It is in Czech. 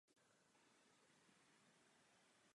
Oba formáty mají stejnou koncovku.